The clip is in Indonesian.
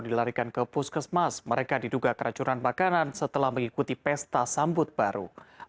dilarikan ke puskesmas mereka diduga keracunan makanan setelah mengikuti pesta sambut baru